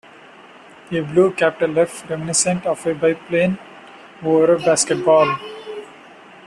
A blue capital "F" reminiscent of a biplane over a basketball.